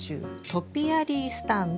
トピアリースタンド？